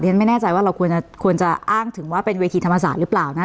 ฉันไม่แน่ใจว่าเราควรจะอ้างถึงว่าเป็นเวทีธรรมศาสตร์หรือเปล่านะ